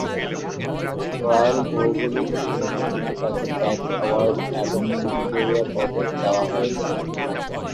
Royal ভৌগোলিক সমিতি থেকে তাকে ব্যাক অ্যাওয়ার্ড এবং ভিক্টোরিয়া পদক দেওয়া হয়েছে।